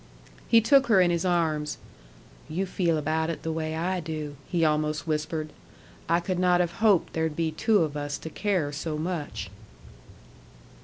He took her in his arms. "You feel about it the way I do," he almost whispered. "I could not have hoped there'd be two of us to care so much."